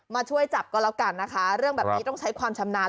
มาช่วยจับก็แล้วกันนะคะเรื่องแบบนี้ต้องใช้ความชำนาญ